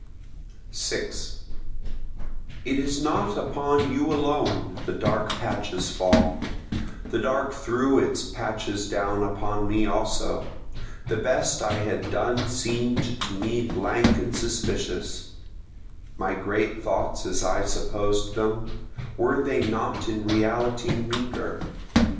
6 It is not upon you alone the dark patches fall, The dark threw its patches down upon me also, The best I had done seem'd to me blank and suspicious, My great thoughts as I supposed them, were they not in reality meagre?